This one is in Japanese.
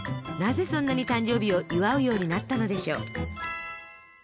なぜそんなに誕生日を祝うようになったのでしょう？